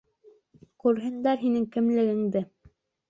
Күрһендәр һинең кемлегеңде!